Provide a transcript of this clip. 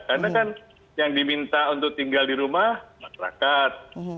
karena kan yang diminta untuk tinggal di rumah masyarakat